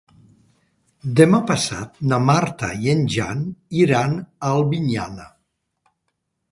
Demà passat na Marta i en Jan iran a Albinyana.